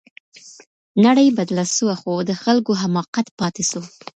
نړۍ بدله سوه خو د خلګو حماقت پاتې سو.